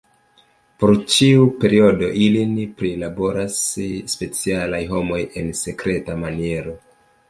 Por ĉiu periodo ilin prilaboras specialaj homoj en sekreta maniero.